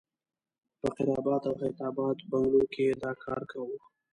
په فقیر اباد او حیات اباد بنګلو کې یې دا کار کاوه.